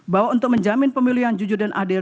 bahwa untuk menjamin pemilih yang jujur dan adil